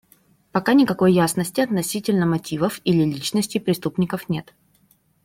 Пока никакой ясности относительно мотивов или личностей преступников нет.